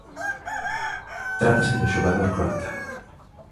Trátase do xogador croata.